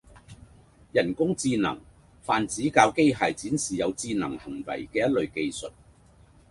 人工智能泛指教機械展示有智能行為嘅一類技術